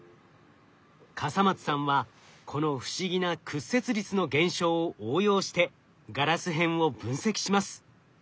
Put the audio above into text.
笠松さんはこの不思議な屈折率の現象を応用してガラス片を分析します。